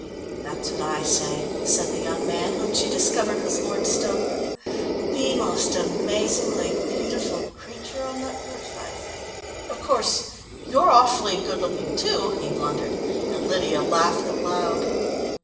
"That's what I say," said the young man, whom she discovered was Lord Stoker. "The most amazingly beautiful creature on the earth, I think." "Of course you're awfully good looking, too," he blundered, and Lydia laughed aloud.